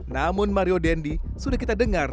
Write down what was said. namun mario dendi sudah kita dengar